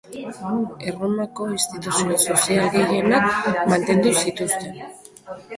Erromako instituzio sozial gehienak mantendu zituzten.